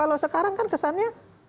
karena sekarang kan kesannya